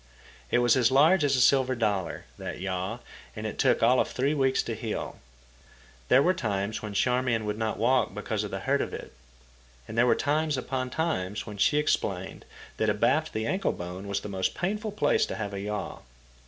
It was as large as a silver dollar, that yaw, and it took all of three weeks to heal. There were times when Charmian could not walk because of the hurt of it; and there were times upon times when she explained that abaft the ankle bone was the most painful place to have a yaw.